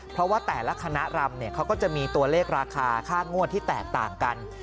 เพราะว่าแต่ละคณะรำเขาก็จะมีตัวเลขราคาค่างวดที่แตกต่างกัน